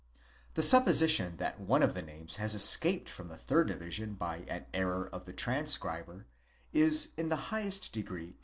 The supposition that one of the names has escaped from the third division by an error of a transcriber," is in the highest degree improb 1 Kuinol, Comm.